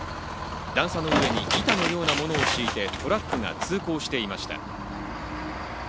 段差の上に板のようなものを敷いてトラックが通行していました。